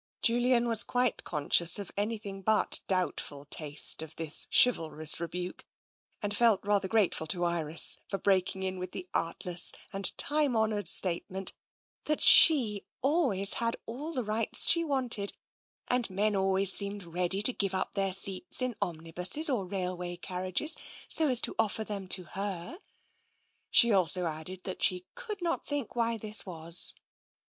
^ Julian was quite conscious of the an3rthing but doubb TENSION 83 ful taste of this chivalrous rebuke, and felt rather grateful to Iris for breaking in with the artless and time honoured statement that she always had all the rights she wanted, and men always seemed ready to give up their seats in omnibuses or railway carriages so as to offer them to her. She also added that she could not think why this was.